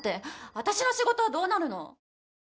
私の仕事はどうなるの！？